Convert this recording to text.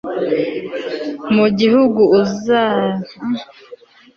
mu gihugu ujyanwamo no guhind ra uzavugire uwo